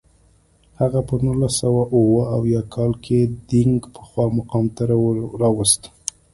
هغه په نولس سوه اووه اویا کال کې دینګ پخوا مقام ته راوست.